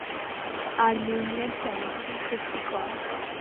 আর mainland China থেকে crispy corn.